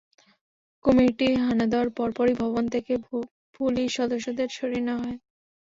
কুমিরটি হানা দেওয়ার পরপরই ভবন থেকে পুলিশ সদস্যদের সরিয়ে নেওয়া হয়।